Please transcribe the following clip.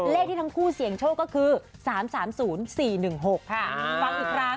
เลขที่ทั้งคู่เสี่ยงโชคก็คือ๓๓๐๔๑๖ฟังอีกครั้ง๓๓๐๔๑๖